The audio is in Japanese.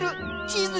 チーズ！